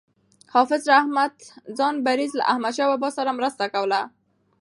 حافظ رحمت خان بړیڅ له احمدشاه بابا سره مرسته کوله.